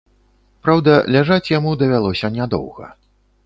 Праўда, ляжаць яму давялося нядоўга.